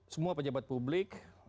semua pejabat publik